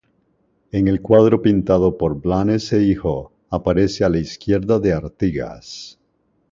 En el cuadro pintado por Blanes e hijo, aparece a la izquierda de Artigas.